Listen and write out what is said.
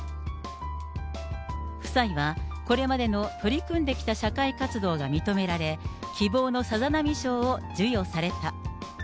夫妻はこれまでの取り組んできた社会活動が認められ、希望のさざなみ賞を授与された。